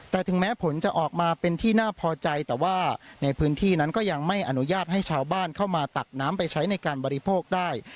แต่ถึงแม้ผลจะออกมาเป็นที่น่าพอใจแต่ว่าในพื้นที่นั้นก็ยังไม่อนุญาตให้ชาวบ้านเข้ามาตักน้ำไปใช้ในการบริโภคได้